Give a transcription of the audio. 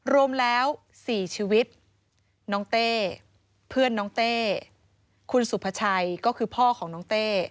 รวมแล้ว๔ชีวิตน้องเต้เพื่อนน้องเต้คุณสุภาชัยก็คือพ่อของน้องเต้